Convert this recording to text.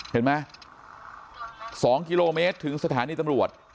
เห็นไหม๒กิโลเมตรถึงสถานีตำรวจ